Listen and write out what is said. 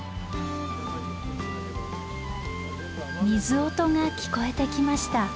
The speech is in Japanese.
水音が聞こえてきました。